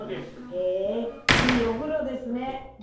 へえいいおふろですね。